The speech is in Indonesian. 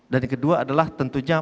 dan yang kedua adalah tentunya